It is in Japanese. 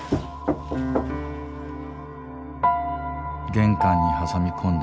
玄関に挟み込んだ